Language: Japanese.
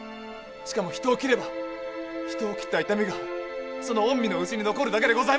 しかも人を斬れば人を斬った痛みがその御身の内に残るだけでございましょう！